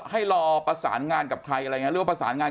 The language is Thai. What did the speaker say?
ให้รอประสารงานกับใครอะไรงันรึว่อประสานงาน